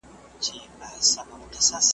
څوک پر مړو میندو په سرو چیغو تاویږي `